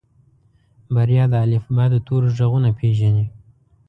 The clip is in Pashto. بريا د الفبا د تورو غږونه پېژني.